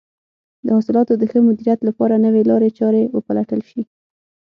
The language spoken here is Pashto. د حاصلاتو د ښه مدیریت لپاره نوې لارې چارې وپلټل شي.